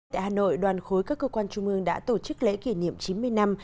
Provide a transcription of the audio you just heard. tại hà nội đoàn khối các cơ quan trung ương đã tổ chức lễ kỷ niệm chín mươi năm